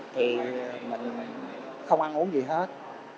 thì mình không ăn uống gì hết